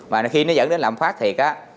và khi nó dẫn đến lãm phát thiệt á